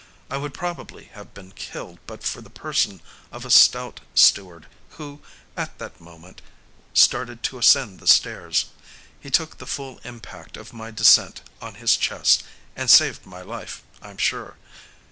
I would probably have been killed but for the person of a stout steward who, at that moment, started to ascend the stairs. He took the full impact of my descent on his chest and saved my life, I'm sure.